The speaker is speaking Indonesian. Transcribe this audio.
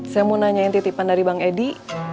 saya mau nanyain titipan dari bang edi